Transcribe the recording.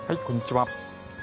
こんにちは。